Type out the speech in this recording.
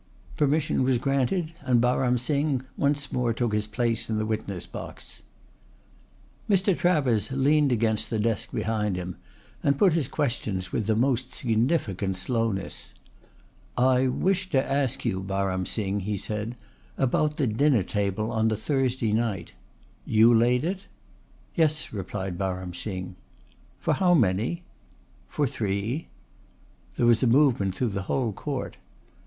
Permission was granted, and Baram Singh once more took his place in the witness box. Mr. Travers leant against the desk behind him and put his questions with the most significant slowness. "I wish to ask you, Baram Singh," he said, "about the dinner table on the Thursday night. You laid it?" "Yes," replied Baram Singh. "For how many?" "For three." There was a movement through the whole court.